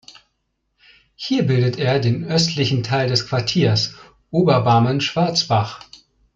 Hier bildet er den östlichen Teil des Quartiers Oberbarmen-Schwarzbach.